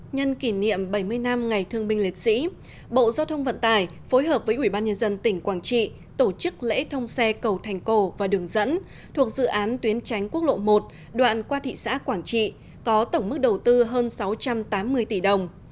nhân kỷ niệm bảy mươi năm ngày thương binh liệt sĩ bộ giao thông vận tải phối hợp với ủy ban nhân dân tỉnh quảng trị tổ chức lễ thông xe cầu thành cổ và đường dẫn thuộc dự án tuyến tránh quốc lộ một đoạn qua thị xã quảng trị có tổng mức đầu tư hơn sáu trăm tám mươi tỷ đồng